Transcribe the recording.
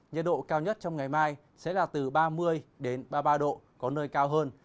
nhiệt độ cao nhất trong ngày mai sẽ là từ ba mươi ba mươi ba độ có nơi cao hơn